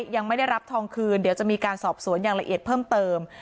ยังไม่ได้รับทองคืนเดี๋ยวจะมีการสอบสวนอย่างละเอียดเพิ่มเติม